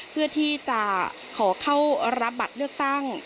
เพื่อที่จะขอเข้ารับบัตรเลือกตั้ง